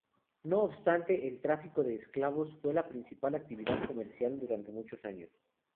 No obstante, el tráfico de esclavos fue la principal actividad comercial durante muchos años.